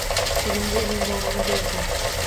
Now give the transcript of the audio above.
Qo`limga ilinganini berdim